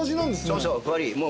そうそう。